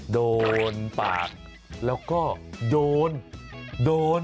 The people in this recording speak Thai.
โดนปากแล้วก็โดนโดน